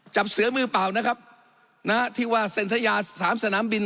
จับเสือมือเปล่านะครับนะฮะที่ว่าเซ็นทยาสามสนามบิน